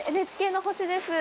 ＮＨＫの星です。